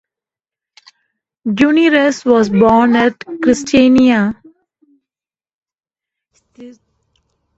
Gunnerus was born at Christiania.